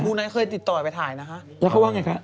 ไนท์เคยติดต่อไปถ่ายนะคะแล้วเขาว่าไงคะ